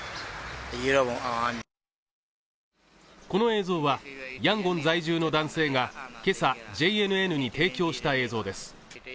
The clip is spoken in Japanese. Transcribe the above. この映像はヤンゴン在住の男性が今朝ＪＮＮに提供した映像です